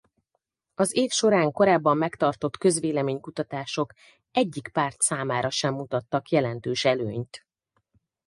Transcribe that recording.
Az év során korábban megtartott közvélemény-kutatások egyik párt számára sem mutattak jelentős előnyt.